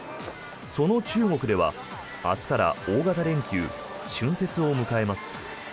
その中国では明日から大型連休、春節を迎えます。